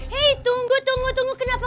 hei tunggu tunggu tunggu kenapa kamu